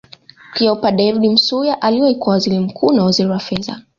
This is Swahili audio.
Cleopa David Msuya aliwahi kuwa Waziri mkuu na waziri wa Fedha